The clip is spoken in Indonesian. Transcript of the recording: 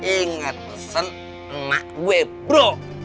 ingat pesen emak gue bro